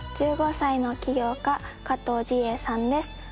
１５歳の起業家加藤路瑛さんです。